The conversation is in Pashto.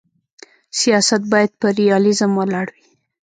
سیاست باید پر ریالیزم ولاړ وي.